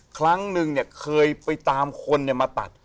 ครั้งนึงเนี่ยเคยไปตามคนมาตัด